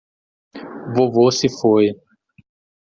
Vovô se foi